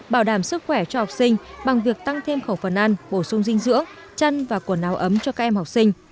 bảo đảm sức khỏe cho học sinh bằng việc tăng thêm khẩu phần ăn bổ sung dinh dưỡng chăn và quần áo ấm cho các em học sinh